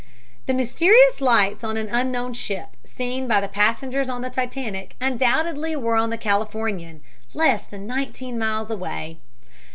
The mysterious lights on an unknown ship, seen by the passengers on the Titanic, undoubtedly were on the Californian, less than nineteen miles away.